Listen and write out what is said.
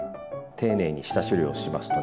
丁寧に下処理をしますとね